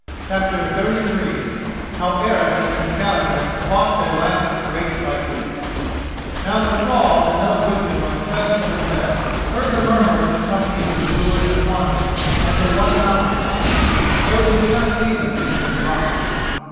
CHAPTER XXXIII HOW ERIC AND SKALLAGRIM FOUGHT THEIR LAST GREAT FIGHT Now the thrall and those with him on the crest of the fell heard the murmur of the company of Gizur and Swanhild as they won the mountain side, though they could not see them because of the rocks.